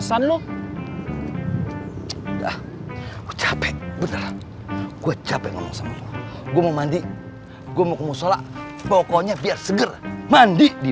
gue capek bener gue capek ngomong sama lu gue mau mandi gue mau ke musola pokoknya biar seger mandi di